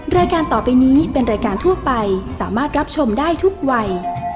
รายการต่อไปนี้เป็นรายการทั่วไปสามารถรับชมได้ทุกวัย